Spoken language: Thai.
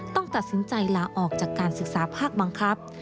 ต้องตัดสินใจลาออกจากการศึกษาภาคบังคับ